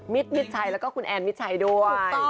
มิดชัยแล้วก็คุณแอนมิดชัยด้วย